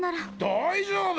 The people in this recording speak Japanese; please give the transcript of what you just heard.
大丈夫！